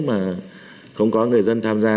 mà không có người dân tham gia